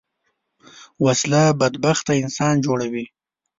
وسله بدبخته انسان جوړوي